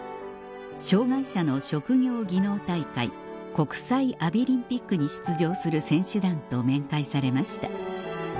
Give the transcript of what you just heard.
障がい者の職業技能大会「国際アビリンピック」に出場する選手団と面会されました